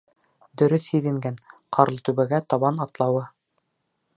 Дөрөҫ һиҙенгән, Ҡарлытүбәгә табан атлауы.